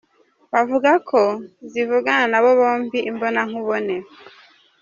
Bavuga ko zivugana n’aba bombi imbonankubone.